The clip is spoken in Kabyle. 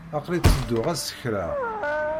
Aql-i tedduɣ ad sekṛeɣ.